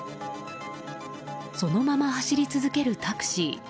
そのまま走り続けるタクシー。